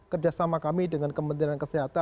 kerjasama kami dengan kementerian kesehatan